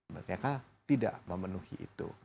mereka tidak memenuhi itu